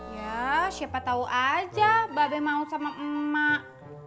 ya siapa tau aja babay mau sama emak